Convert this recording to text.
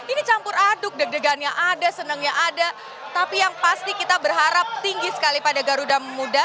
ini campur aduk deg degannya ada senangnya ada tapi yang pasti kita berharap tinggi sekali pada garuda muda